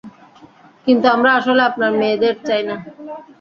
কিন্তু আমরা আসলে আপনার মেয়েদের চাই না।